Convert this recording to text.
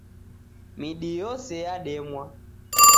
Midi yose yademwa